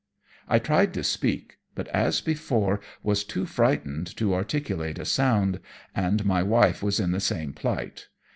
I tried to speak, but, as before, was too frightened to articulate a sound, and my wife was in the same plight.